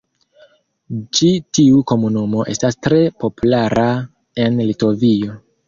Ĉi tiu komunumo estas tre populara en Litovio.